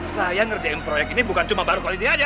saya ngerjain proyek ini bukan cuma baru koalisi aja